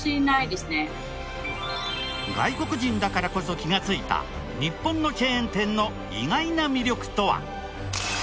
外国人だからこそ気がついた日本のチェーン店の意外な魅力とは？